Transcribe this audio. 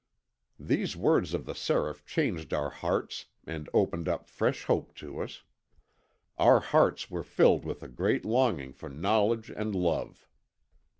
"These words of the Seraph changed our hearts and opened up fresh hope to us. Our hearts were filled with a great longing for knowledge and love.